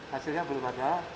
hasilnya belum ada